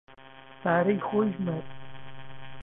پارەی خۆی ژمارد.